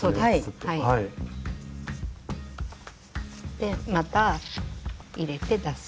でまた入れて出す。